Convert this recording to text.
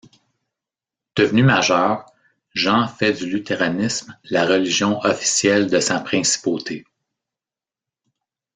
Devenu majeur, Jean fait du luthéranisme la religion officielle de sa principauté.